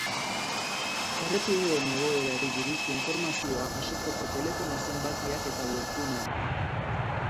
Errepideen egoerari buruzko informazioa jasotzeko telefono zenbakiak eta webguneak.